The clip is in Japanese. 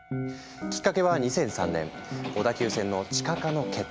きっかけは２００３年小田急線の地下化の決定。